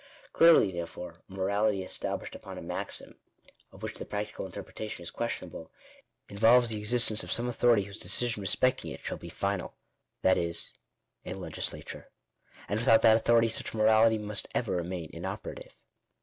Clearly, therefore, a morality established upon a maxim of which the practical interpretation is questionable, involves the existence of some authority whose decision re specting it shall be final — that is, a legislature. And without that authority, such a morality must ever remain inoperative.